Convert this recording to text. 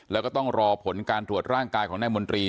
แล้วก็ต้องรอผลการตรวจร่างกายของนายมนตรี